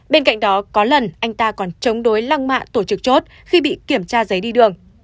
bên cạnh đó có lần anh ta còn chống đối lăng mạ tổ chức chốt khi bị kiểm tra giấy đi đường